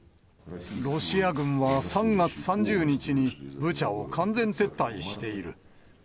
ロシア軍は３月３０日に、ブチャを完全撤退している。